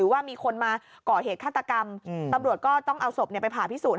ว่ามีคนมาก่อเหตุฆาตกรรมตำรวจก็ต้องเอาศพไปผ่าพิสูจน